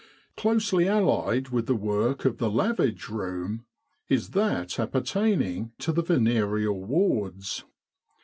Closely allied with the work of the Lavage Room is that apper taining to the Venereal Wards.